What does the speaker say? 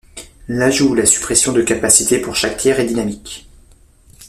L’ajout ou la suppression de capacité pour chaque tiers est dynamique.